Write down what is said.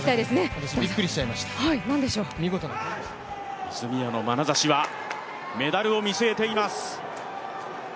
私、びっくりしちゃいました泉谷のまなざしはメダルを見据えています。